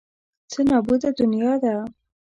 څه نابوده دنیا ده.